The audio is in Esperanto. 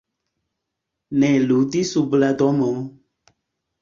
Ne ludu sub la domo!